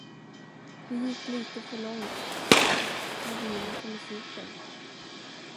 Vi gick lite för långt med vinet och musiken.